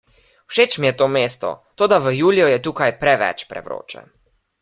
Všeč mi je to mesto, toda v juliju je tukaj preveč prevroče.